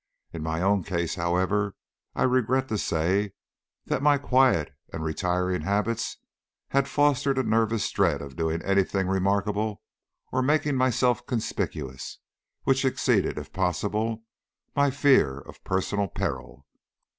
In my own case, however, I regret to say that my quiet and retiring habits had fostered a nervous dread of doing anything remarkable or making myself conspicuous, which exceeded, if possible, my fear of personal peril.